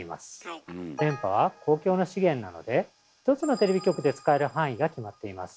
電波は公共の資源なので１つのテレビ局で使える範囲が決まっています。